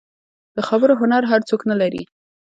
د خبرو هنر هر څوک نه لري.